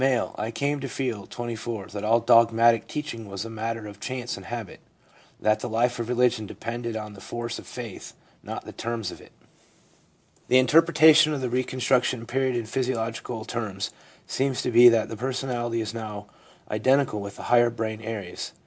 * I came to feel (24) that all dogmatic teaching was a matter of chance and habit ; that the life of religion depended on the force of faith, not the terms of it/ The interpretation of the reconstruction period in physiological terms seems to be that the personality is now identical with the higher brain areas.